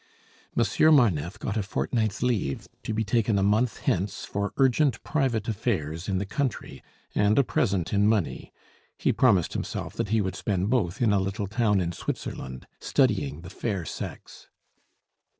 Monsieur Marneffe got a fortnight's leave, to be taken a month hence for urgent private affairs in the country, and a present in money; he promised himself that he would spend both in a little town in Switzerland, studying the fair sex.